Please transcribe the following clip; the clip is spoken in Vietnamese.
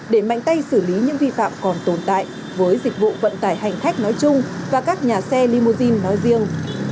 để mạnh tay xử lý những vi phạm còn tồn tại với dịch vụ vận tải hành khách nói chung và các nhà xe limousine nói riêng